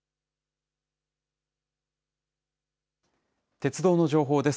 鉄道の情報です。